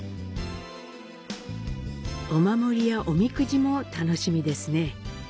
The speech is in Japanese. お守りやおみくじも楽しみですね。